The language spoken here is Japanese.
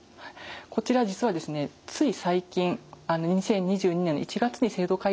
こちら実はですねつい最近２０２２年の１月に制度改正がありました。